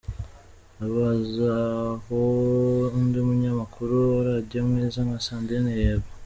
Habazaho undi munyamakuru wa radiyo mwiza nka Sandrine, yego.